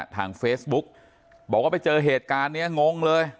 ทางเฟซบุ๊กบอกว่าไปเจอเหตุการณ์นี้งงเลย